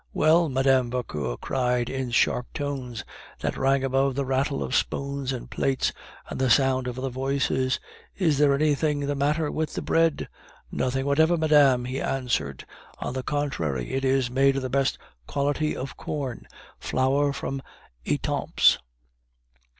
"Well," Madame Vauquer cried in sharp tones, that rang above the rattle of spoons and plates and the sound of other voices, "and is there anything the matter with the bread?" "Nothing whatever, madame," he answered; "on the contrary, it is made of the best quality of corn; flour from Etampes."